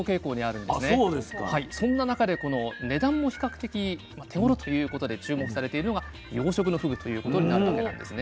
そんな中で値段も比較的手ごろということで注目されているのが養殖のふぐということになるわけなんですね。